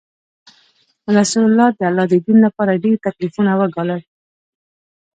رسول الله د الله د دین لپاره ډیر تکلیفونه وګالل.